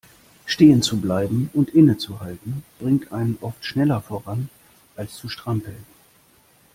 Stehen zu bleiben und innezuhalten bringt einen oft schneller voran, als zu strampeln.